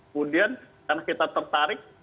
kemudian karena kita tertarik